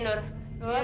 iya dong nuri